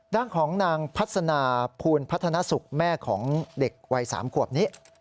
ด้านของนางพัฒนาภูลพัฒนสุขแม่ของเด็กวัย๓ขวบนี้